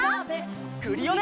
クリオネ！